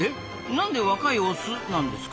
なんで若いオスなんですか？